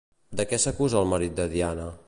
De què s'acusa el marit de Diane?